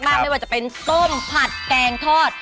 ไม่ว่าจะเป็นต้มผัดแกงทอด